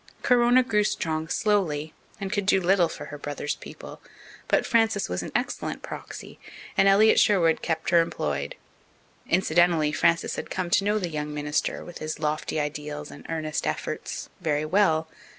Corona grew strong slowly, and could do little for her brother's people, but Frances was an excellent proxy, and Elliott Sherwood kept her employed. Incidentally, Frances had come to know the young minister, with his lofty ideals and earnest efforts, very well.